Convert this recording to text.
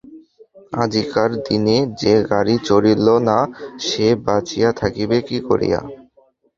আজিকার দিনে যে গাড়ি চড়িল না, সে বঁচিয়া থাকিবে কি করিয়া?